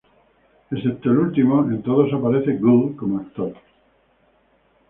Excepto el último, en todos aparece Gould como actor.